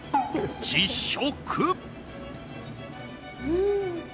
実食！